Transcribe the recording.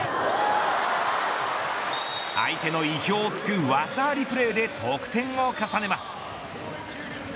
相手の意表を突く技ありプレーで得点を重ねます。